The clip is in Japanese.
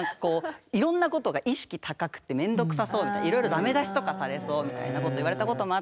いろんなことが意識高くて面倒くさそうみたいいろいろダメ出しとかされそうみたいなこと言われたこともあったので。